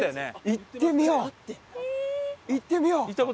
行ってみよう！